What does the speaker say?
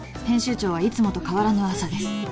編集長はいつもと変わらぬ朝です」